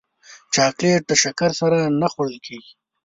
چاکلېټ د شکر سره نه خوړل کېږي.